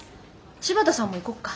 柴田さんも行こっか？